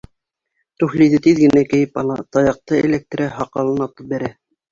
Туфлиҙы тиҙ генә кейеп ала, таяҡты эләктерә, һаҡалын атып бәрә.